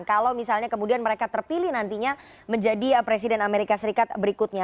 kalau misalnya kemudian mereka terpilih nantinya menjadi presiden amerika serikat berikutnya